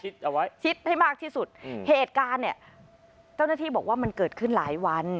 เอาไว้คิดให้มากที่สุดเหตุการณ์เนี่ยเจ้าหน้าที่บอกว่ามันเกิดขึ้นหลายวัน